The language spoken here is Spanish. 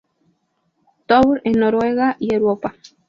Tour en Noruega y Europa.